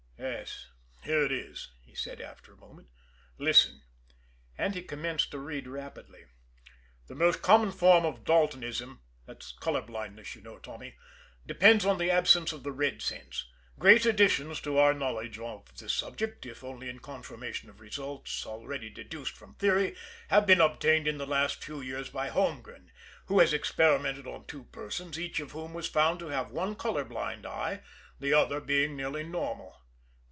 "Yes, here it is," he said, after a moment. "Listen" and he commenced to read rapidly: "'The most common form of Daltonism' that's color blindness you know, Tommy 'depends on the absence of the red sense. Great additions to our knowledge of this subject, if only in confirmation of results already deduced from theory, have been obtained in the last few years by Holmgren, who has experimented on two persons, each of whom was found to have one color blind eye, the other being nearly normal."